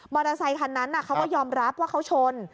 อเตอร์ไซคันนั้นเขาก็ยอมรับว่าเขาชน